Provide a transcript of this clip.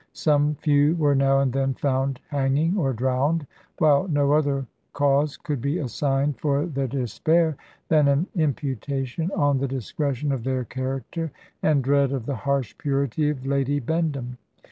Some few were now and then found hanging or drowned, while no other cause could be assigned for their despair than an imputation on the discretion of their character, and dread of the harsh purity of Lady Bendham.